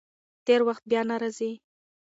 تېر وخت بیا نه راځي.